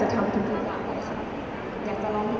ยังไม่ได้เปิดภาษาอย่างนี้